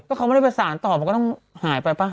เขาไม่ได้ประสานต่อมันก็ต้องหายไปป่ะ